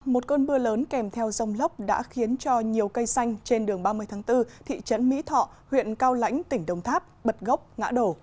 một cơn mưa lớn kèm theo dông lốc đã khiến cho nhiều cây xanh trên đường ba mươi tháng bốn thị trấn mỹ thọ huyện cao lãnh tỉnh đồng tháp bật gốc ngã đổ